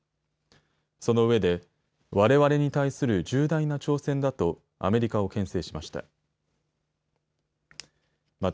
そのうえでわれわれに対する重大な挑戦だとアメリカをけん制しました。